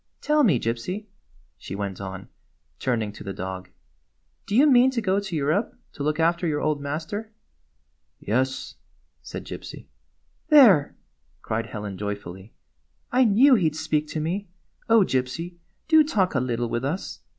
Tell me, Gypsy," she went on, turning to the dog, " do you mean to go to Europe to look after your old master?" "Yes," said Gypsy. " There !" cried Helen joyfully. " I knew he 'd speak to me! Oh, Gypsy, do talk a little with us